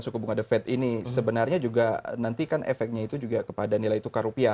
suku bunga defet ini sebenarnya juga nantikan efeknya itu juga kepada nilai tukar rupiah